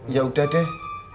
ya udah deh